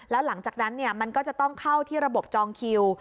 แล้วหลังจากนั้นมันก็จะต้องเข้าที่ระบบจองคิว